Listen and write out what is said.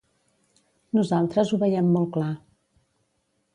Nosaltres ho veiem molt clar.